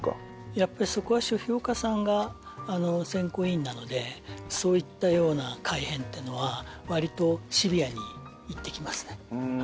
やっぱりそこは書評家さんが選考委員なのでそういったような改変っていうのはわりとシビアに言ってきますね。